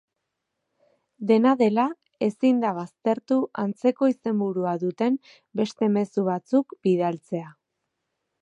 Dena dela, ezin da baztertu antzeko izenburua duten beste mezu batzuk bidaltzea.